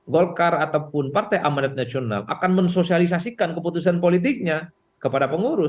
golkar ataupun partai amanat nasional akan mensosialisasikan keputusan politiknya kepada pengurus